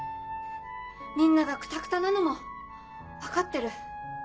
みんながクタクタなのも分かってる。